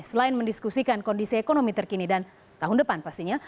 selain mendiskusikan kondisi ekonomi terkini dan tahun depan pastinya